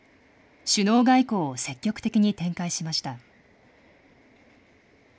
首脳外交を積極的に展開しました。